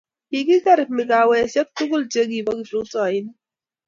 kikiker mikawesiekab tugul che kibo kiprutoinik